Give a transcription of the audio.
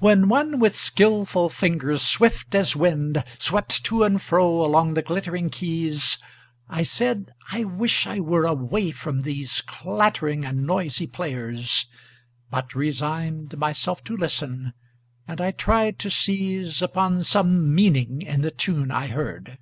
WHEN one with skillful fingers swift as wind Swept to and fro along the glittering keys, I said: I wish I were away from these Clattering and noisy players! but resigned Myself to listen, and I tried to seize Upon some meaning in the tune I heard.